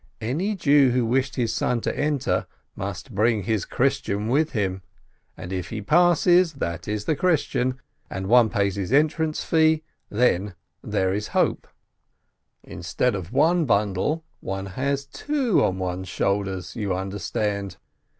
Any Jew who wished his son to enter must bring his Christian with him, and if he passes, that is, the Chris tian, and one pays his entrance fee, then there is hope. 176 SHOLOM ALECHEM Instead of one bundle, one has two on one's shoulders, you understand